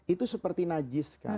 itu seperti najis kan